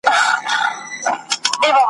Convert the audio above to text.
پکښی وینو به یارانو د رڼا د بري څلی `